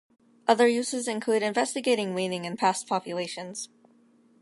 Other uses include investigating weaning in past populations.